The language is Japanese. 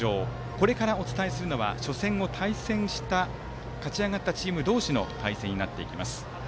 これからお伝えするのは初戦を勝ちあがったチーム同士の対戦になっていきます。